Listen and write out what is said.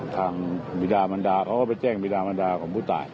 ทางบิดามันดาเขาก็ไปแจ้งบิดามันดาของผู้ตาย